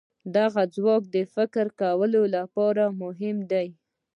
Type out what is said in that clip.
دغه ځواک د فکر کولو لپاره دی.